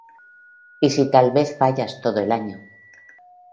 Y si tal vez fallas todo el año.